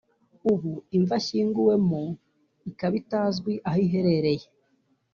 ubu imva ashyinguwe mo ikaba itazwi aho iherereye